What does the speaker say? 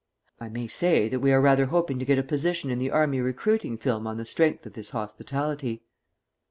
I may say that we are rather hoping to get a position in the Army Recruiting film on the strength of this hospitality.